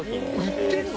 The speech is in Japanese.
売ってるの？